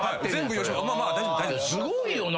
すごいよな。